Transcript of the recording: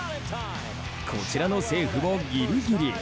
こちらのセーフもギリギリ。